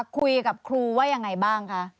คุยกับครูว่ายังไงบ้างคะ